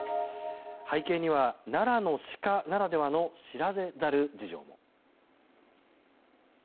背景には、奈良のシカならではの知られざる事情も。